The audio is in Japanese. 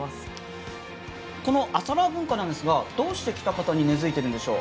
この朝ラー文化なんですが、どうして喜多方に根付いているんでしょう？